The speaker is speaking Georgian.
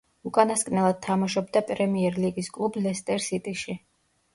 უკანასკნელად თამაშობდა პრემიერ ლიგის კლუბ „ლესტერ სიტიში“.